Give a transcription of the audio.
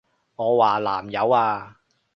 我話南柚啊！